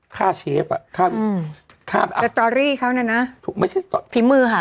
๒ค่าเชฟอะค่าสตรอรี่เขาเนี่ยนะฝีมือค่ะ